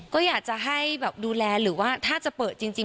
ก็อยากจะให้แบบดูแลหรือว่าถ้าจะเปิดจริง